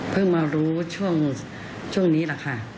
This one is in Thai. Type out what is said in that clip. มารู้ช่วงนี้แหละค่ะ